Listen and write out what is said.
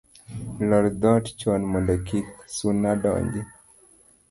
Lor dhoot chon mondo kik suna donji